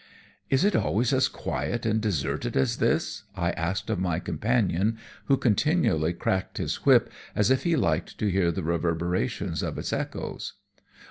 "Is it always as quiet and deserted as this?" I asked of my companion, who continually cracked his whip as if he liked to hear the reverberations of its echoes.